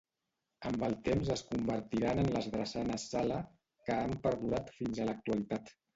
Amb el temps es convertiran en les drassanes Sala, que han perdurat fins a l'actualitat.